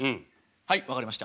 はい分かりました。